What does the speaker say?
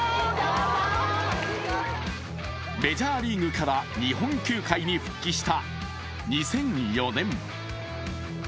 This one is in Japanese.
メジャーリーグから日本球界に復帰した２００４年。